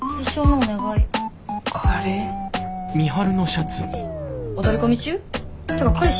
お取り込み中？ってか彼氏？